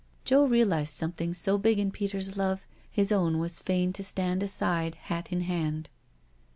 Joe realised something so big in Peter's love, his own was fain to stand aside, hat in hand.